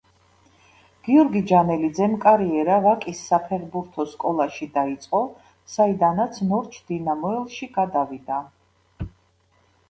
გიორგი ჯანელიძემ კარიერა ვაკის საფეხბურთო სკოლაში დაიწყო, საიდანაც „ნორჩ დინამოელში“ გადავიდა.